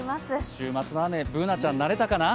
週末の雨、Ｂｏｏｎａちゃん、慣れたかな？